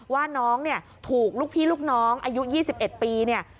ว่าน้องถูกลูกพี่ลูกน้องอายุ๒๑ปี